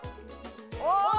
お！